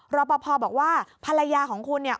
รอปภบอกว่าภรรยาของคุณเนี่ย